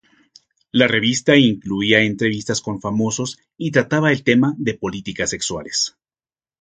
La revista incluía entrevistas con famosos y trataba el tema de políticas sexuales.